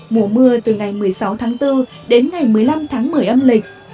mùa mưa từ ngày một mươi sáu tháng bốn đến ngày một mươi năm tháng một mươi âm lịch